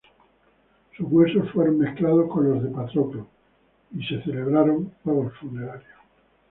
Sus huesos fueron mezclados con los de Patroclo, y se celebraron juegos funerarios.